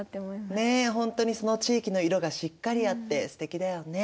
ねえ本当にその地域の色がしっかりあってすてきだよね。